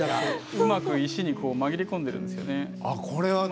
うまく石に紛れ込んでいるんですよね